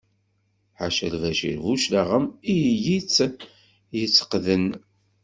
Ḥaca Lbacir Buclaɣem i yi-tt-yetteqden.